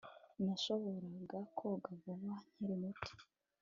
Nashoboraga koga vuba nkiri muto